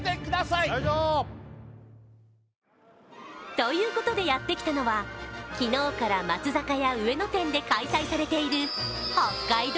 ということでやってきたのは昨日から松坂屋上野店で開催されている北海道